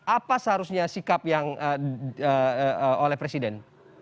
apa seharusnya sikap yang oleh presiden